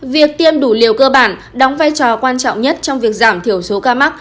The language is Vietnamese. việc tiêm đủ liều cơ bản đóng vai trò quan trọng nhất trong việc giảm thiểu số ca mắc